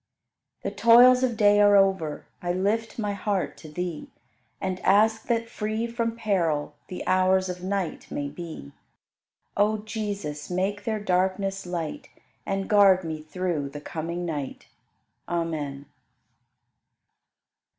35. The toils of day are over; I lift my heart to Thee And ask that free from peril The hours of night may be. O Jesus, make their darkness light And guard me through the coming night. Amen.